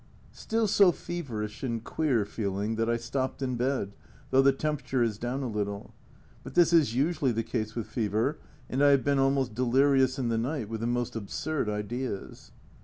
Still so feverish and queer feeling that I stopped in bed, though the temperature is down a little ; but this is usually the case with fever, and I have been almost delirious in the night with the most absurd ideas.